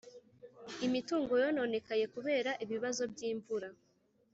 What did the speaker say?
imitungo yononekaye kubera ibibazo by’imvura